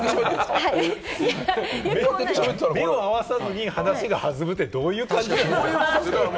目を合わさずに話が弾むってどういうこと？